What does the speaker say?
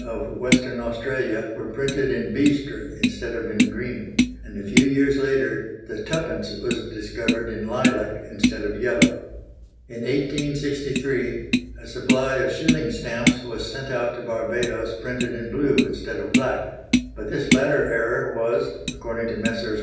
of Western Australia were printed in bistre instead of in green, and a few years later the twopence was discovered in lilac instead of yellow. In 1863 a supply of shilling stamps was sent out to Barbados printed in blue instead of black; but this latter error was, according to Messrs.